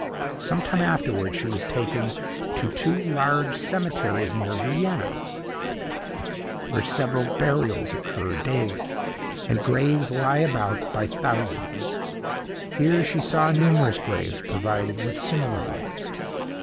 Some time afterward she was taken to two large cemeteries near Vienna, where several burials occur daily, and graves lie about by thousands. Here she saw numerous graves provided with similar lights.